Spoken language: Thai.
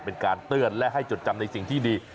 เป็นการเตือนและให้จดจำในสิ่งที่ดี